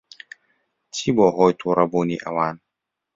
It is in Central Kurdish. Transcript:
چی بووە ھۆی تووڕەبوونی ئەوان؟